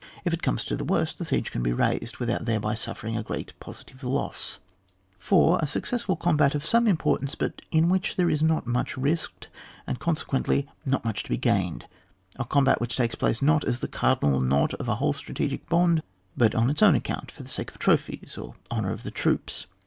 If it comes to the worst, the siege can be raised without thereby suffering a great positive loss. 4. Lastly, a successful combat of some importance, but in which there is not much risked, and consequently not much to be gained ; a combat which takes place not as the cardinal knot of a whole strategic bond, but on its own acooiint for the sake of trophies or honour of the troops.